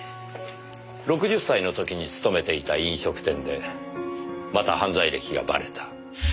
６０歳の時に勤めていた飲食店でまた犯罪歴がばれた。